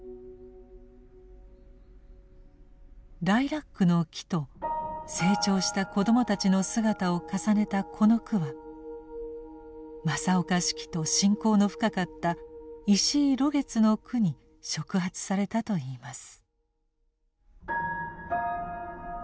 ライラックの木と成長した子どもたちの姿を重ねたこの句は正岡子規と親交の深かった石井露月の句に触発されたといいます。